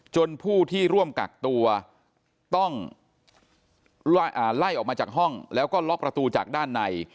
ผู้ที่ร่วมกักตัวต้องไล่ออกมาจากห้องแล้วก็ล็อกประตูจากด้านใน